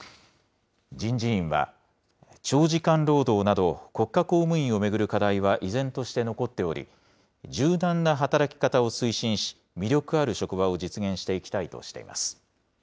人事院は、長時間労働など、国家公務員を巡る課題は依然として残っており、柔軟な働き方を推進し、魅力ある職場を実現していきたいとしています。